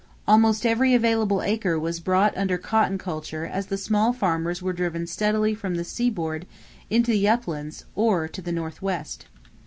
Almost every available acre was brought under cotton culture as the small farmers were driven steadily from the seaboard into the uplands or to the Northwest.